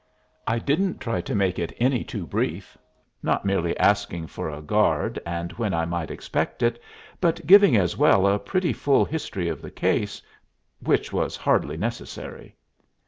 I didn't try to make it any too brief, not merely asking for a guard and when I might expect it, but giving as well a pretty full history of the case, which was hardly necessary.